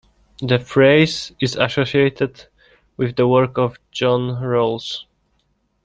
The phrase is associated with the work of John Rawls.